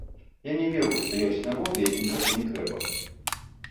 Я не веру, што ёсць народы, якім гэта не трэба.